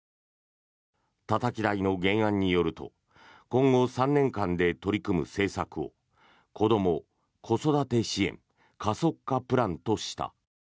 たたき台の原案によると今後３年間で取り組む政策をこども・子育て支援加速化プランとした。